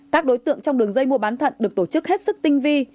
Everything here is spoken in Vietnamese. các đối tượng trong đường dây mua bán thận được tổ chức hết sức tinh vi